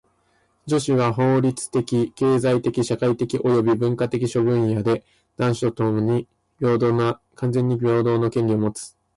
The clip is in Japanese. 女子は法律的・経済的・社会的および文化的諸分野で男子と完全に平等の権利をもつ。